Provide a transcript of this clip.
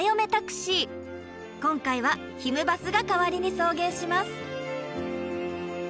今回はひむバスが代わりに送迎します。